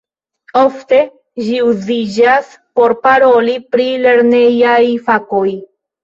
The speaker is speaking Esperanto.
Ofte ĝi uziĝas por paroli pri lernejaj fakoj.